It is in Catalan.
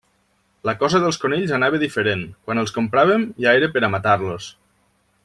La cosa dels conills anava diferent: quan els compràvem ja era per a matar-los.